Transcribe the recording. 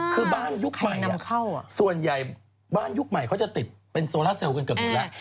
คือบ้านยุคใหม่ส่วนใหญ่บ้านยุคใหม่เขาจะติดเป็นโซล่าเซลล์กันเกือบหมดแล้ว